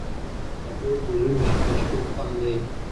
چاکلېټ د ژمي د شپو خوند دی.